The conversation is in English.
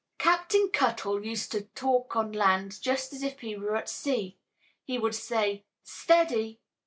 Captain Cuttle used to talk on land just as if he were at sea. He would say "Steady!"